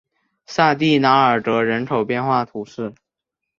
萨蒂拉尔格人口变化图示